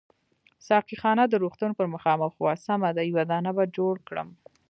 ساقي خانه د روغتون پر مخامخ وه، سمه ده یو دانه به جوړ کړم.